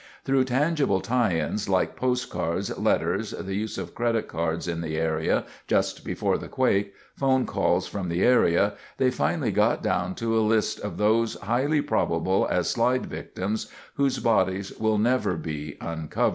Through tangible tie ins, like postcards, letters, the use of credit cards in the area just before the quake, phone calls from the area, they finally got down to a list of those highly probable as slide victims whose bodies will never be uncovered.